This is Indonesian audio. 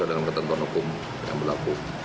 dengan ketentuan hukum yang berlaku